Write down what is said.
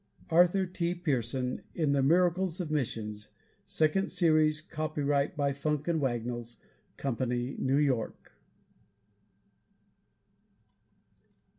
_Arthur T. Pierson, in "The Miracles of Missions," second series, copyright by Funk and Wagnalls Company, New York.